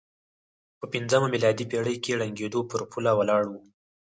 په پځمه میلادي پېړۍ کې ړنګېدو پر پوله ولاړ و.